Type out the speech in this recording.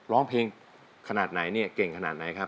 ร้องเพลงขนาดไหนเนี่ยเก่งขนาดไหนครับ